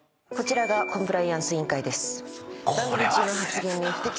コンプライアンス委員会です。